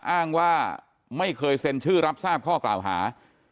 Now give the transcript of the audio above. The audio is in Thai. อ้างว่าไม่เคยเซ็นชื่อรับทราบข้อกล่าวหา